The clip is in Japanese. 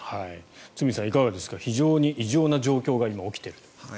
堤さんいかがでしょうか非常に異常な状況が今、起きていると。